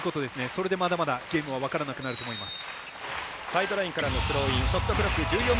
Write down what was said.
それでまだまだゲームは分からなくなると思います。